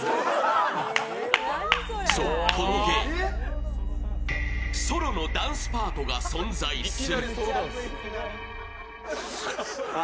そうこのゲーム、ソロのダンスパートが存在する。